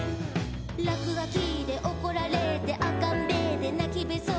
「らくがきでおこられてあっかんべーでなきべそで」